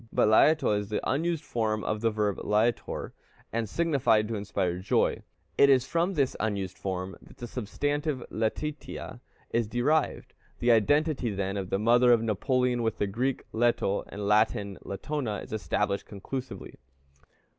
But Læto is the unused form of the verb lætor, and signified to inspire joy; it is from this unused form that the substantive Letitia is derived. The identity, then, of the mother of Napoleon with the Greek Leto and the Latin Latona, is established conclusively.